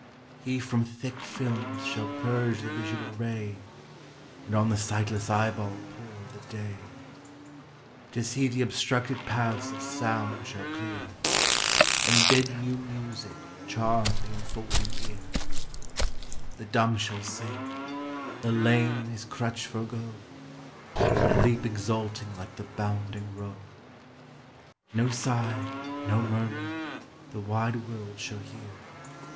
He from thick films shall purge the visual ray, And on the sightless eyeball pour the day: 'Tis he th' obstructed paths of sound shall clear And bid new music charm th' unfolding ear: The dumb shall sing, the lame his crutch forego, And leap exulting like the bounding roe. No sigh, no murmur, the wide world shall hear.